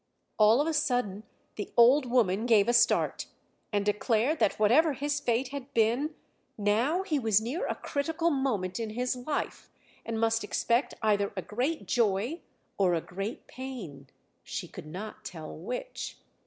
All of a sudden the old woman gave a start, and declared that whatever his fate had been, now he was near a critical moment in his life, and must expect either a great joy or a great pain, she could not tell which